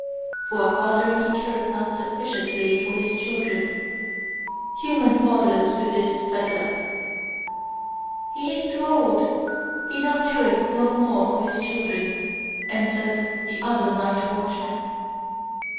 "For a father he careth not sufficiently for his children: human fathers do this better!" "He is too old! He now careth no more for his children," answered the other night watchman.